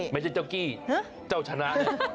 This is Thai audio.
ไม่ใช่เจ้ากี้เจ้าชนะ